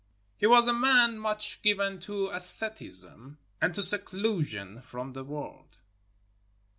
He was a man much given to asceticism and to seclusion from the world.